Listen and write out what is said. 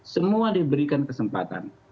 semua diberikan kesempatan